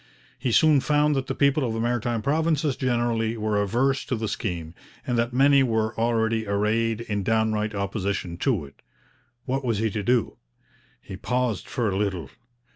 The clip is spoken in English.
He soon found that the people of the Maritime Provinces generally were averse to the scheme, and that many were already arrayed in downright opposition to it. What was he to do? He paused for a little.